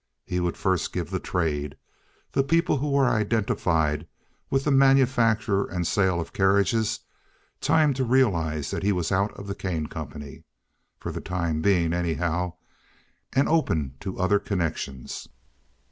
He would first give the trade, the people who were identified with the manufacture and sale of carriages, time to realize that he was out of the Kane Company, for the time being, anyhow, and open to other connections.